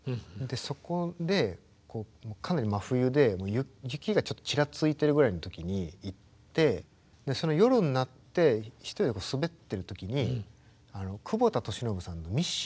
そこでかなり真冬で雪がちょっとちらついてるぐらいの時に行ってその夜になって１人で滑ってる時に久保田利伸さんの「Ｍｉｓｓｉｎｇ」がかかって。